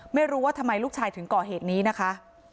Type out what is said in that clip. ไม่รู้ว่าทำไมลูกชายถึงก่อเหตุนี้นะคะ